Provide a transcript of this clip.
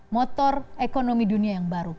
motor ekonomi dunia yang baru